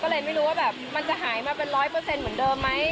ก็เลยไม่รู้ว่าแบบมันจะหายมาเป็นร้อยเปอร์เซ็นต์เหมือนเดิมไหม